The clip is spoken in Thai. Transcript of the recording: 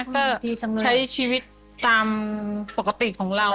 ก็ใช้ชีวิตตามปกติของเรา